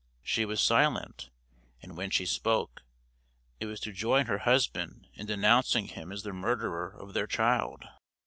She was silent, and when she spoke, it was to join her husband in denouncing him as the murderer of their child.